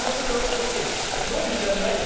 ロケじゃないよ。